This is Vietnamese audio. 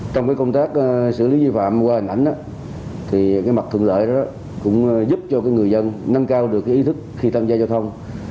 trong công tác xử lý vi phạm qua hình ảnh mặt thuận lợi đó cũng giúp cho người dân nâng cao được ý thức khi tham gia giao thông